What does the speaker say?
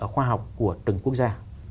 khoa học của từng quốc gia